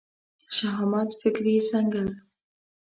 شهامت فکري سنګر